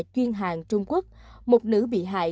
chuyên hàng trung quốc một nữ bị hại